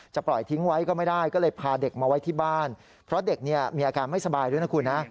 ปล่อยทิ้งไว้ก็ไม่ได้ก็เลยพาเด็กมาไว้ที่บ้านเพราะเด็กเนี่ยมีอาการไม่สบายด้วยนะคุณนะ